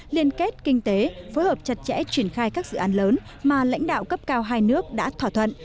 liên kết kinh tế phối hợp chặt chẽ triển khai các dự án lớn mà lãnh đạo cấp cao hai nước đã thỏa thuận